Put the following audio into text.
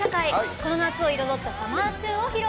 この夏を彩ったサマーチューンを披露。